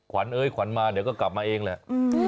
เอ้ยขวัญมาเดี๋ยวก็กลับมาเองแหละ